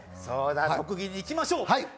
そうだ特技に行きましょう。